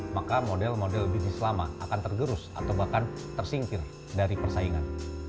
maka model model bisnis lama akan tergerus atau bahkan tersingkir dari persaingan